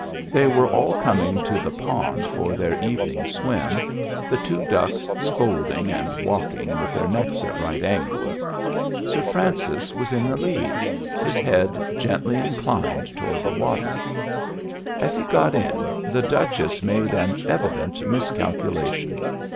They were all coming to the pond for their evening swim, the two ducks scolding and walking with their necks at right angles. Sir Francis was in the lead, his head gently inclined toward the water. As he got in the Duchess made an evident miscalculation.